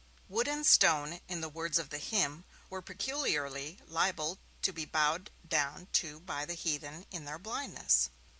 Wood and stone, in the words of the hymn, were peculiarly liable to be bowed down to by the heathen in their blindness.